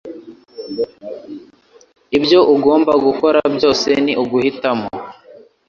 Ibyo ugomba gukora byose ni uguhitamo.